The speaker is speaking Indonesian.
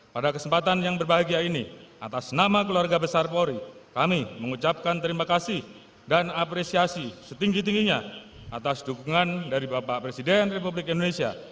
pada kesempatan yang berbahagia ini atas nama keluarga besar polri kami mengucapkan terima kasih dan apresiasi setinggi tingginya atas dukungan dari bapak presiden republik indonesia